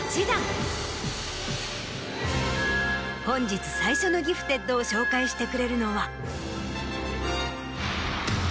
本日最初のギフテッドを紹介してくれるのは。